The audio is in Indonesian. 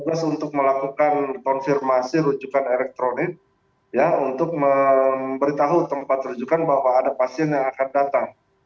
tugas untuk melakukan konfirmasi rujukan elektronik ya untuk memberitahu tempat rujukan bahwa ada pasien yang akan datang